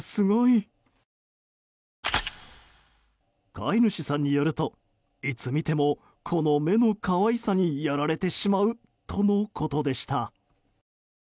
飼い主さんによるといつ見てもこの目の可愛さにやられてしまうとのことでした。